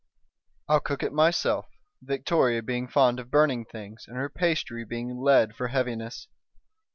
"I'll cook it myself, Victoria being fond of burning things and her pastery being lead for heaviness.